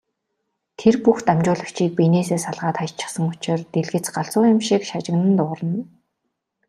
Тэр бүх дамжуулагчийг биенээсээ салгаад хаячихсан учир дэлгэц галзуу юм шиг шажигнан дуугарна.